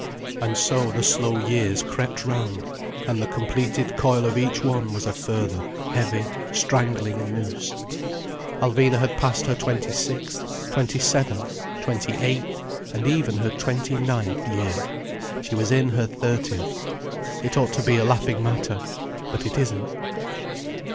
And so the slow years crept round, and the completed coil of each one was a further heavy, strangling noose. Alvina had passed her twenty sixth, twenty seventh, twenty eighth and even her twenty ninth year. She was in her thirtieth. It ought to be a laughing matter. But it isn't.